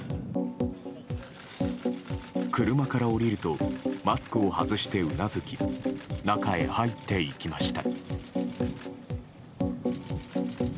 車から降りるとマスクを外してうなずき中へ入っていきました。